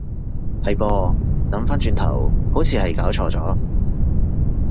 係噃，諗返轉頭好似係攪錯咗